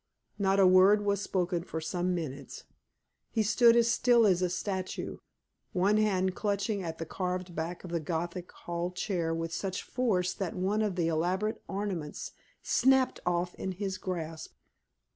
Not a word was spoken for some minutes; he stood as still as a statue, one hand clutching at the carved back of a Gothic hall chair with such force that one of the elaborate ornaments snapped off in his grasp.